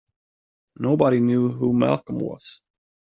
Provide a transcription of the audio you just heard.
Nobody knew who Malcolm was.